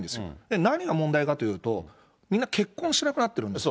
何が問題かというと、みんな結婚しなくなってるんですよ。